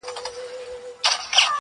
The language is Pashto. كوم ولات كي يې درمل ورته ليكلي؛